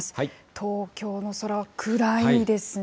東京の空、暗いですね。